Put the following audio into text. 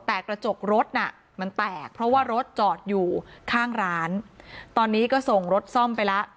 แต่กระจกรถน่ะมันแตกเพราะว่ารถจอดอยู่ข้างร้านตอนนี้ก็ส่งรถซ่อมไปแล้ว